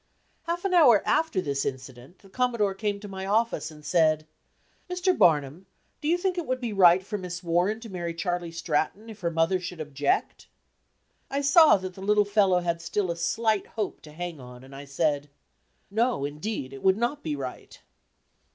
Half an hour after this incident, the Commodore came to my office, and said: "Mr. Barnum, do you think it would be right for Miss Warren to marry Charley Stratton if her mother should object?" I saw that the little fellow had still a slight hope to hang on, and I said: "No, indeed, it would not be right."